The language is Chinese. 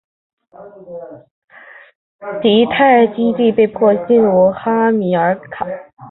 迦太基政府被迫重新起用哈米尔卡。